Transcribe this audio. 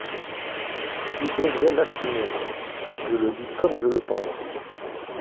Vous devrez l’assumer ! Je le dis comme je le pense.